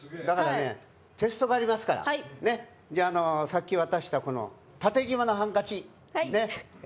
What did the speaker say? だからねテストがありますからねじゃあさっき渡した縦じまのハンカチね。